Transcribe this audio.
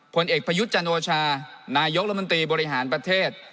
ผลเอกประยุทธ์จันโอชานายกรัฐมนตรีบริหารประเทศ